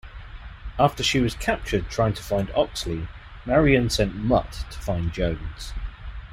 After she was captured trying to find Oxley, Marion sent Mutt to find Jones.